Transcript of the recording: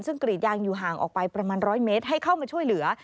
ซึ่งกรีดยางอยู่ห่างออกไปประมาณ๑๐๐เมตรให้เข้ามาช่วยเหลือ